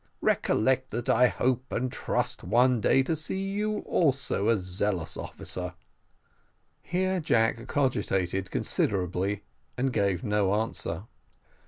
Recollect that I hope and trust one day to see you also a zealous officer." Here Jack cogitated considerably, and gave no answer.